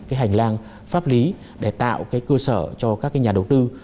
cái hành lang pháp lý để tạo cái cơ sở cho các cái nhà đầu tư